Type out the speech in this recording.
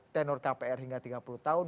tenor kpr hingga tiga puluh tahun